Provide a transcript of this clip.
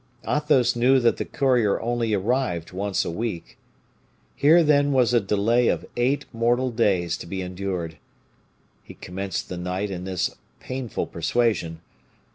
Athos knew that the courier only arrived once a week. Here, then, was a delay of eight mortal days to be endured. He commenced the night in this painful persuasion.